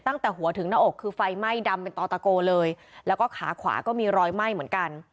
ตั้งแต่หัวถึงหน้าอกคือไฟไหม้ดำเป็นต่อตะโกเลยแล้วก็ขาขวาก็มีรอยไหม้เหมือนกัน